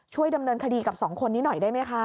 ดำเนินคดีกับสองคนนี้หน่อยได้ไหมคะ